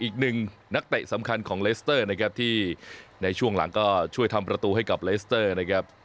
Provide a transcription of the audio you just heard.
อีกหนึ่งนักเตะสำคัญของเลสเตอร์นะครับที่ในช่วงหลังก็ช่วยทำประตูให้กับเลสเตอร์นะครับ